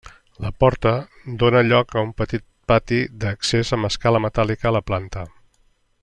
La porta dóna lloc a un petit pati d'accés amb escala metàl·lica a la planta.